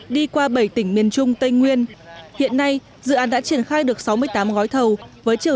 đi qua bảy tỉnh miền trung tây nguyên hiện nay dự án đã triển khai được sáu mươi tám gói thầu với chiều